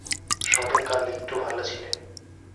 সবে কাল একটু ভালো ছিলে।